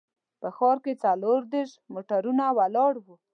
په ښار کې څلور دیرش موټرونه ولاړ وو.